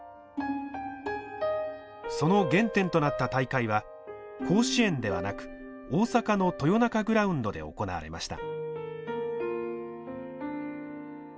その原点となった大会は甲子園ではなく大阪の豊中グラウンドで行われました。